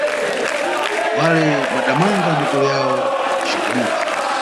Wale madamanga mitolo yawo, waciguduka.